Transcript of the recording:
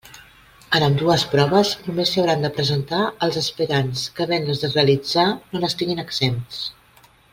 En ambdues proves només s'hi hauran de presentar els aspirants que havent-les de realitzar no n'estiguin exempts.